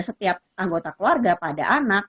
setiap anggota keluarga pada anak